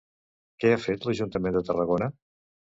Què ha fet l'Ajuntament de Tarragona?